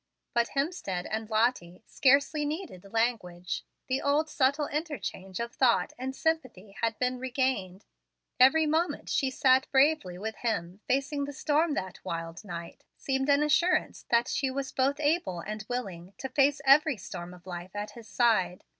But Hemstead and Lottie scarcely needed language. The old, subtile interchange of thought and sympathy had been regained. Every moment she bravely sat with him facing the storm that wild night seemed an assurance that she was both able and willing to face every storm of life at his side.